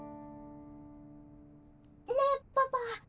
・ねえパパ！